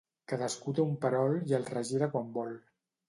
Cadascú té un perol i el regira quan vol.